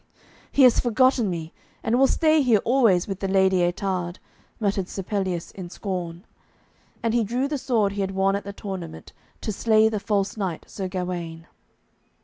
'He has forgotten me, and will stay here always with the Lady Ettarde,' muttered Sir Pelleas in scorn, and he drew the sword he had won at the tournament, to slay the false knight Sir Gawaine.